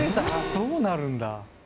どうなるんだ？